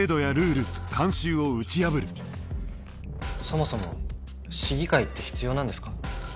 そもそも市議会って必要なんですか？